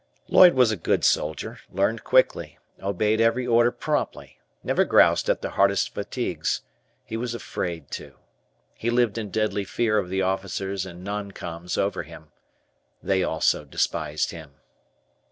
Lloyd was a good soldier, learned quickly, obeyed every order promptly, never groused at the hardest fatigues. He was afraid to. He lived in deadly fear of the officers and "Non Coms" over him. They also despised him.